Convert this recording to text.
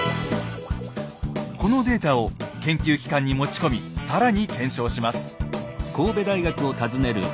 このデータを研究機関に持ち込み更に検証します。